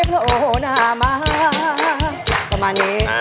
ประมาณนี้